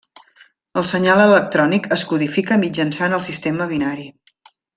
El senyal electrònic es codifica mitjançant el sistema binari.